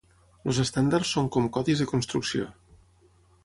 Els estàndards són com codis de construcció.